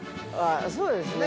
◆そうですね。